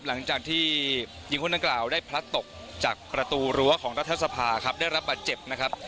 หลังจากที่หญิงคนดังกล่าวได้พลัดตกจากประตูรั้วของรัฐสภาครับได้รับบาดเจ็บนะครับ